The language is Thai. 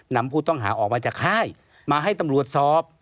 นำผู้ต้องหาออกมาจากค่ายมาให้ตำรวจสอบ